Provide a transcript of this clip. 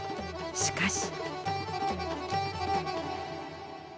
しかし。